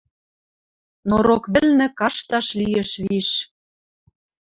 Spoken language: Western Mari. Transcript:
Но рок вӹлнӹ кашташ лиэш виш.